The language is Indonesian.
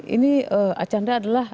ini arkanra adalah